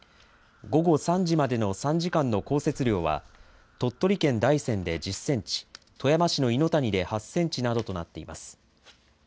午後３時までの３時間の降雪量は、鳥取県大山で１０センチ、富山市の猪谷で８センチなどとなっています。